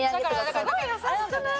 すごい優しくない？